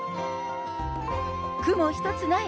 雲一つない